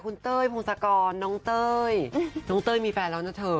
คุณเต้ยพงศกรน้องเต้ยน้องเต้ยมีแฟนแล้วนะเธอ